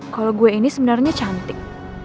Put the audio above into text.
kalo gue ini sebenernya cantik